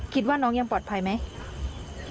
คิดว่าน้องยังปลอดภัยไหม